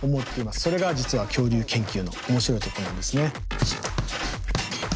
それが実は恐竜研究の面白いところなんですね。